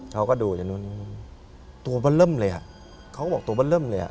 เขาก็ดูตัวบันเริ่มเลยเขาก็บอกตัวบันเริ่มเลย